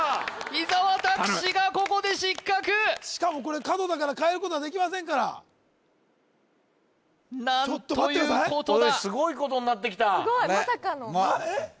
伊沢拓司がここで失格しかもこれ角だからかえることはできませんから何ということだちょっと待ってください